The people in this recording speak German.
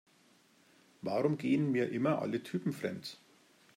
Warum gehen mir immer alle Typen fremd?